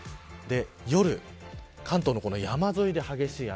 夜、関東の山沿いで激しい雨。